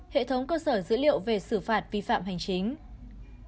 hệ thống cơ sở dữ liệu về xử phạt vi phạm hành chính